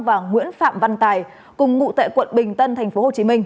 và nguyễn phạm văn tài cùng ngụ tại quận bình tân tp hcm